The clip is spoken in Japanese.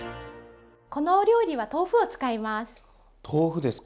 このお料理は豆腐を使います。